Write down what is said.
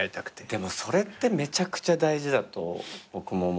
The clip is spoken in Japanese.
でもそれってめちゃくちゃ大事だと僕も思ってて。